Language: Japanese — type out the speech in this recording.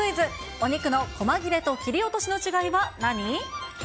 お肉のこま切れと切り落としの違いは何？